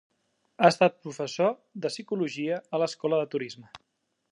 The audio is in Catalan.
Ha estat professor de psicologia a l'Escola de Turisme.